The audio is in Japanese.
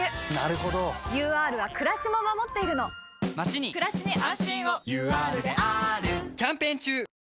ＵＲはくらしも守っているのまちにくらしに安心をＵＲであーるキャンペーン中！